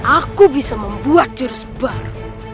aku bisa membuat jurus baru